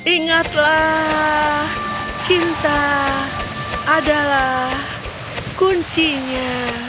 ingatlah cinta adalah kuncinya